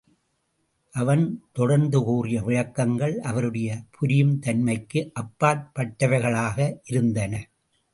அவன் தொடர்ந்துகூறிய விளக்கங்கள் அவருடைய புரியும் தன்மைக்கு அப்பாற்பட்டவைகளாக இருந்தன.